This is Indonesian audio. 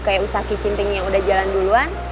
kayak usaha kicimping yang udah jalan duluan